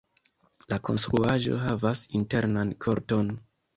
La konstruaĵo havas internan korton.